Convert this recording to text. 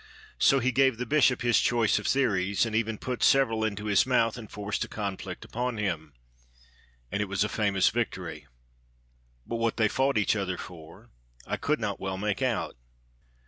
So he gave the Bishop his choice of theories and even put several into his mouth, and forced a conflict upon him. And it was a famous victory. But what they fought each other for I could not well make out.